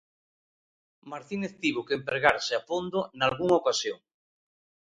Martínez tivo que empregarse a fondo nalgunha ocasión.